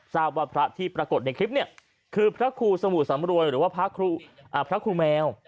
ทราบว่าพระที่ปรากฏในคลิปเนี่ยคือพระครูสมุสำรวยหรือว่าพระครูแมว